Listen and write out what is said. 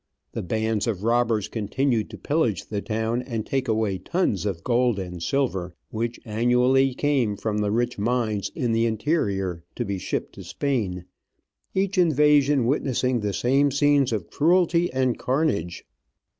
The bands of robbers continued to pillage the town and take away tons of gold and silver, which annually came from the rich mines in the interior to be shipped to Spain — each invasion witnessing the same scenes of cruelty and carnage.